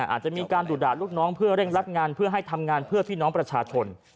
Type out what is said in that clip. อาจจะมีการดุด่าลูกน้องเพื่อเร่งรัดงานเพื่อให้ทำงานเพื่อพี่น้องประชาชน